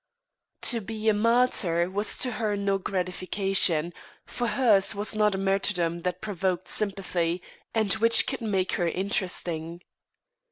To be a martyr was to her no gratification, for hers was not a martyrdom that provoked sympathy, and which could make her interesting.